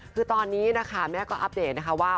คือตอนนี้นะคะแม่ก็อัปเดตนะคะว่า